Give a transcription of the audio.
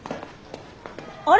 あれ？